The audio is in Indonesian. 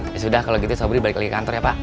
ya sudah kalau gitu sobri balik lagi ke kantor ya pak